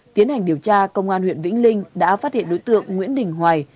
tiến hành điều tra công an huyện vĩnh linh đã phát hiện đối tượng nguyễn đình hoài